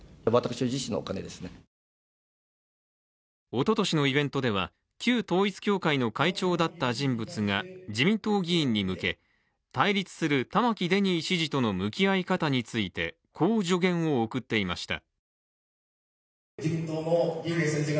おととしのイベントでは旧統一教会の会長だった人物が自民党議員に向け、対立する玉城デニー知事との向き合い方についてこう助言を送っていました。